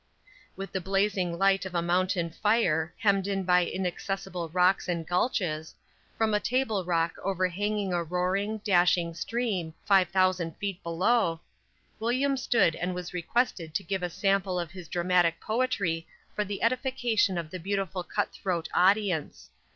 With the blazing light of a mountain fire, hemmed in by inaccessible rocks and gulches, from a tablerock overhanging a roaring, dashing stream, five thousand feet below, William stood and was requested to give a sample of his dramatic poetry for the edification of the beautiful cut throat audience!